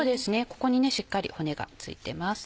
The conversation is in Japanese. ここにしっかり骨が付いてます。